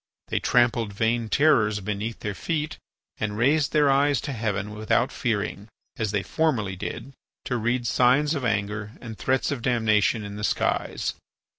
They trampled vain terrors beneath their feet and raised their eyes to heaven without fearing, as they formerly did, to read signs of anger and threats of damnation in the skies.